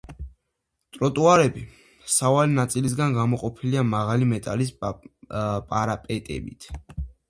ტროტუარები სავალი ნაწილისაგან გამოყოფილია მაღალი მეტალის პარაპეტებით.